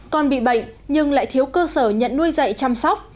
còn bị bệnh nhưng lại thiếu cơ sở nhận nuôi dạy chăm sóc